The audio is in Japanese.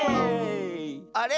あれ？